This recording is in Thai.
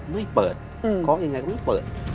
ไม่เปิดคล้องยังไงก็ไม่เปิด